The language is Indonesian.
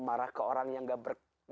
marah ke orang yang enggak berkata